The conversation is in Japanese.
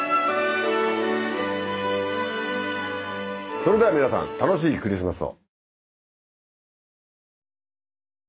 それでは皆さん楽しいクリスマスを。